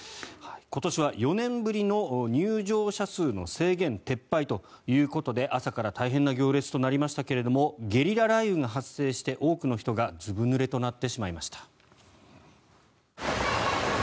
今年は４年ぶりの入場者数の制限撤廃ということで朝から大変な行列となりましたけれどもゲリラ雷雨が発生して多くの人がずぶぬれとなってしまいました。